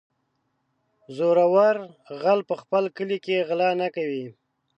زورور غل په خپل کلي کې غلا نه کوي.